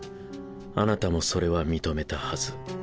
あなたもそれは認めたはず。